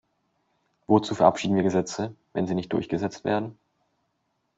Wozu verabschieden wir Gesetze, wenn sie nicht durchgesetzt werden?